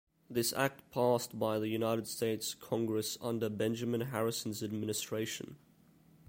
This act passed by the United States Congress under Benjamin Harrison's administration.